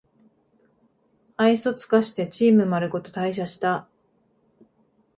愛想つかしてチームまるごと退社した